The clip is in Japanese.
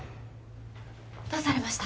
どうされました？